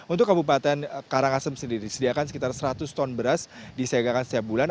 untuk kabupaten karangasem sendiri disediakan sekitar seratus ton beras disiagakan setiap bulan